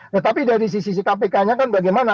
tetapi dari sisi sisi kpk nya kan bagaimana